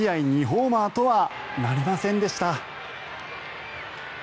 ２ホーマーとはなりませんでした。